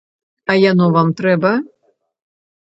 А яно вам трэба?!